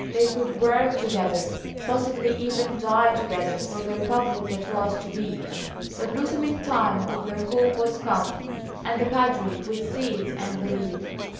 They could work together, possibly even die together, for the Republic that was to be. The blossoming time of their hope was come, and the Padre would see it and believe.